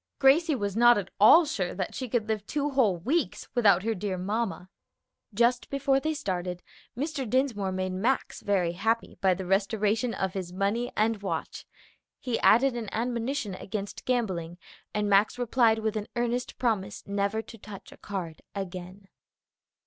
Gracie was not at all sure that she could live two whole weeks without her dear mamma. Just before they started, Mr. Dinsmore made Max very happy by the restoration of his money and watch. He added an admonition against gambling, and Max replied with an earnest promise never to touch a card again.